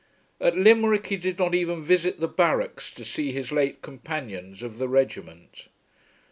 At Limerick he did not even visit the barracks to see his late companions of the regiment.